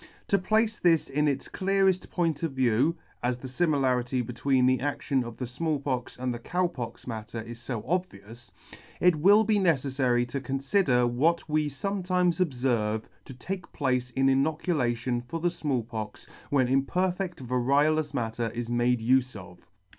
— To place this in its cleareft point of view (as the limilarity between the adtion of the Small Pox and the Cow Pox matter is fo obvious) it will be neceflary to conlider what we fometimes obferve to take place in inocu lation for the Small Pox when imperfedt variolous matter is made ufe of.